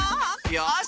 よし！